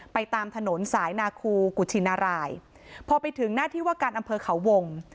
ตามถนนสายนาคูกุชินารายพอไปถึงหน้าที่ว่าการอำเภอเขาวง